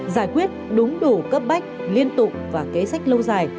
giải quyết đúng đủ cấp bách liên tục và kế sách lâu dài